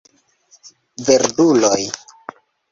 Verduloj!